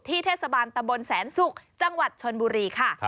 เทศบาลตำบลแสนศุกร์จังหวัดชนบุรีค่ะ